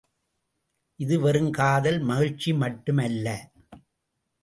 இது வெறும் காதல் மகிழ்ச்சி மட்டும் அல்ல.